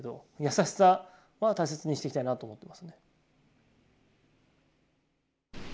優しさは大切にしていきたいなと思ってますね。